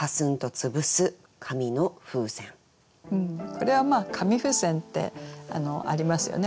これは紙風船ってありますよね